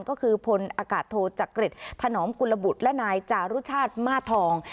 ก็คือพลอากาศโทจักริตถนอมกุลบุตรและนายจารุชาติมาทอง